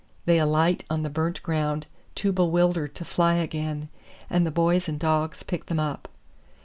They alight on the burnt ground too bewildered to fly again and the boys and dogs pick them up.